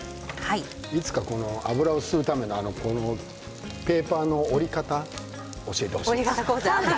いつか油を吸うためのペーパーの折り方を教えてほしいですね。